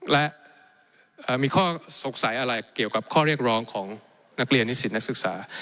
และมีข้อสงสัยอะไรเกี่ยวกับข้อเรียกร้องของนักเรียนนิสิตนักศึกษา